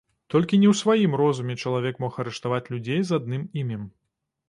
Толькі не ў сваім розуме чалавек мог арыштаваць людзей з адным імем.